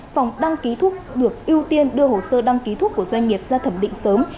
phòng đăng ký thuốc được ưu tiên đưa hồ sơ đăng ký thuốc của doanh nghiệp ra thẩm định sớm